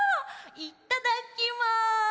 いっただきます！